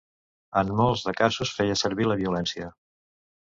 En molts de casos feia servir la violència.